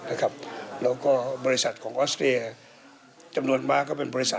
แล้วก็บริษัทของออสเตรียจำนวนมากก็เป็นบริษัท